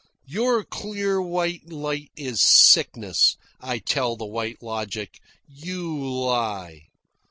"Your clear white light is sickness," I tell the White Logic. "You lie."